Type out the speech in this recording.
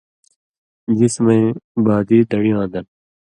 جسمَیں بادی دڑی واں دن